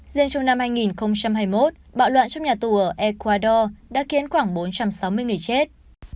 riêng trong năm hai nghìn hai mươi một bạo loạn trong nhà tù ở ecuador đã khiến khoảng bốn trăm sáu mươi người chết